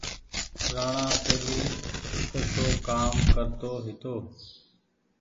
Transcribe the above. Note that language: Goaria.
رآڻآ پهيلي ڪسو ڪآم ڪرتو هيتو۔